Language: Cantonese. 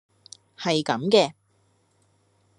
係咁嘅